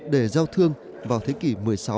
để giao thương vào thế kỷ một mươi sáu